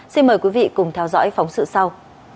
xin mời quý vị cùng theo dõi phóng sự sau